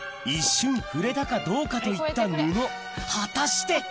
一瞬触れたかどうかといった布果たして？